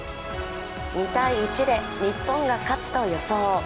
２−１で日本が勝つと予想。